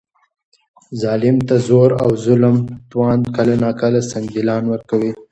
ظالم ته د زور او ظلم توان کله ناکله سنګدلان ورکوي.